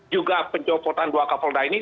juga pencopotan dua kapolda ini